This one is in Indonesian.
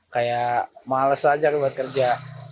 kayak males aja buat kerja